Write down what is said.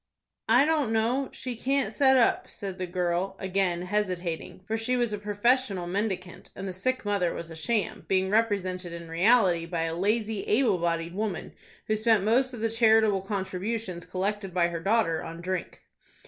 "I don't know. She can't set up," said the girl, again hesitating, for she was a professional mendicant, and the sick mother was a sham, being represented in reality by a lazy, able bodied woman, who spent most of the charitable contributions collected by her daughter on drink.